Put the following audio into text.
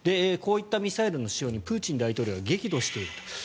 こういったミサイルの使用にプーチン大統領が激怒していると。